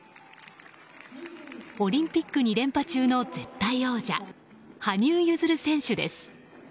オリンピック２連覇中の絶対王者羽生結弦選手です。